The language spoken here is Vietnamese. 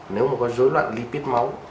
nếu mà có rối loạn lipid máu